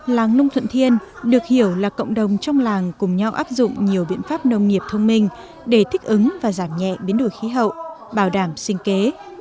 làng nông thuận thiên được hiểu là cộng đồng trong làng cùng nhau áp dụng nhiều biện pháp nông nghiệp thông minh để thích ứng và giảm nhẹ biến đổi khí hậu bảo đảm sinh kế